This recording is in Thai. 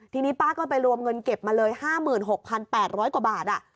ทีนี้ป้าก็ไปรวมเงินเก็บมาเลย๕๖๘๐๐กว่าบาท